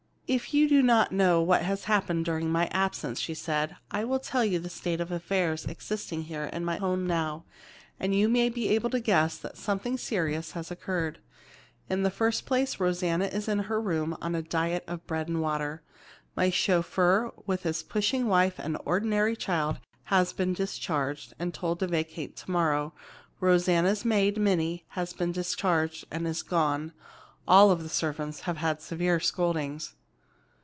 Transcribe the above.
"If you do not know what has happened during my absence," she said, "I will tell you the state of affairs existing here in my home now, and you may be able to guess that something serious has occurred. In the first place Rosanna is in her room on a diet of bread and water. My chauffeur, with his pushing wife and ordinary child, has been discharged, and told to vacate to morrow. Rosanna's maid, Minnie, had been discharged and is gone. All the servants have had severe scoldings."